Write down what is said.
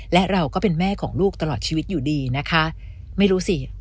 และเราก็เป็นแม่ของลูกตลอดชีวิตอยู่ดีนะคะไม่รู้สิ